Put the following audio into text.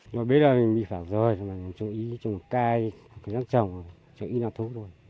bây giờ mình bị phản rơi trồng cây trồng cây trồng cây trồng cây là thuốc rồi